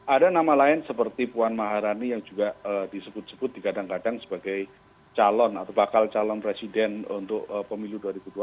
ada nama lain seperti puan maharani yang juga disebut sebut digadang gadang sebagai calon atau bakal calon presiden untuk pemilu dua ribu dua puluh